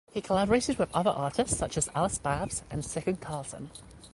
He collaborated with other artists such as Alice Babs and Sickan Carlsson.